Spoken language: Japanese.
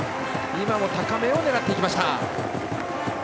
今も高めを狙っていきました。